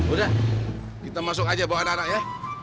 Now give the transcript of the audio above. udah kita masuk aja bawa anak anak ya